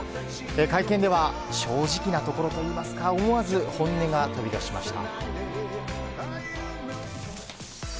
会見では正直なところといいますか思わず本音が飛び出しました。